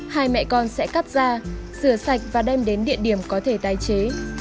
hai mẹ con sẽ cắt ra sửa sạch và đem đến địa điểm có thể tái chế